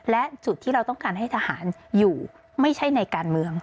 และจุดที่เราต้องการให้ทหารอยู่ไม่ใช่ในการเมือง